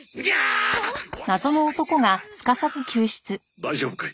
大丈夫かい？